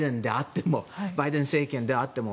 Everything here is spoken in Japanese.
バイデン政権であっても。